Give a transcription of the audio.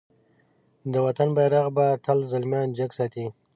د وطن بېرغ به تل زلميان جګ ساتی.